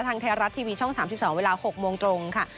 ทางไทยรัฐทีวีช่อง๓๒เวลา๖โมงตรงค่ะ